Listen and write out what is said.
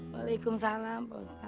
waalaikumsalam pak ustadz